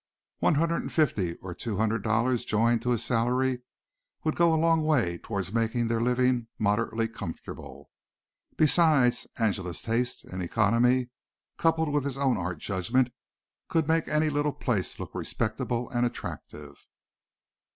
One hundred and fifty or two hundred dollars joined to his salary would go a long way towards making their living moderately comfortable. Besides Angela's taste and economy, coupled with his own art judgment, could make any little place look respectable and attractive.